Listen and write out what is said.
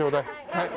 はい。